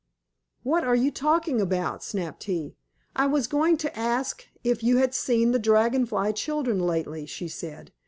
"What are you talking about?" snapped he. "I was going to ask if you had seen the Dragon Fly children lately," she said.